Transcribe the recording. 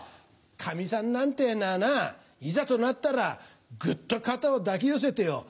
カミさんなんてぇのはないざとなったらグッと肩を抱き寄せてよ